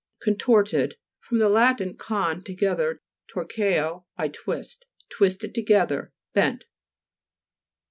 CONTO'RTED fr. lat. con, together, torqueo, I twist. Twisted together ; bent.